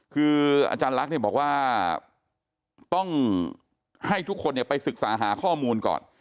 คืออาจารย์ลักษณ์บอกว่าต้องให้ทุกคนไปศึกษาหาข้อมูลก่อน